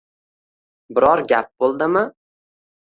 Biror gap bo`ldimi